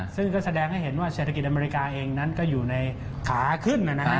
ซึ่งก็แสดงให้เห็นว่าเศรษฐกิจอเมริกาเองนั้นก็อยู่ในขาขึ้น